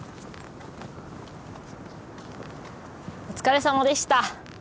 お疲れさまでした。